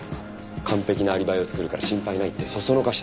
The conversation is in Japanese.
「完璧なアリバイを作るから心配ない」って唆したらしい。